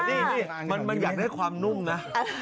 นี่มันอยากได้ความนุ่มนะ